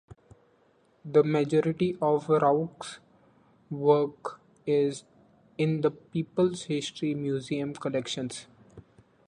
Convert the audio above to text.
The majority of Rowe’s work is in The People’s History Museum collections.